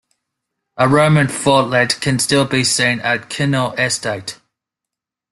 A Roman fortlet can still be seen at Kinneil Estate.